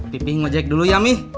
pipi mau jahit dulu ya min